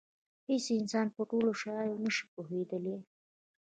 هېڅ انسان په ټولو شیانو نه شي پوهېدلی.